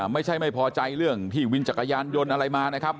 ไม่พอใจเรื่องที่วินจักรยานยนต์อะไรมานะครับ